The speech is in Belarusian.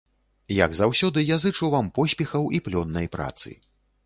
Як заўсёды, я зычу вам поспехаў і плённай працы.